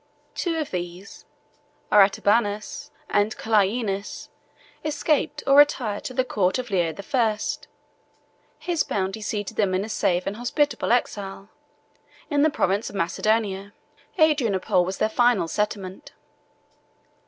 Two of these, Artabanus and Chlienes, escaped or retired to the court of Leo the First: his bounty seated them in a safe and hospitable exile, in the province of Macedonia: Adrianople was their final settlement.